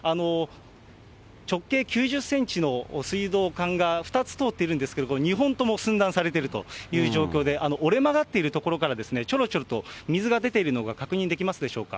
直径９０センチの水道管が２つ通ってるんですけれども、これ、２本とも寸断されているという状況で、折れ曲がっている所から、ちょろちょろと水が出ているのが確認できますでしょうか。